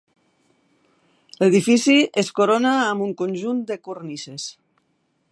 L'edifici es corona amb un conjunt de cornises.